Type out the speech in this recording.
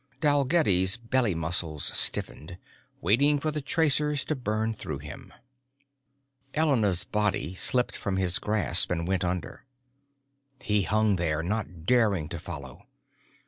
Dalgetty's belly muscles stiffened, waiting for the tracers to burn through him. Elena's body slipped from his grasp and went under. He hung there, not daring to follow.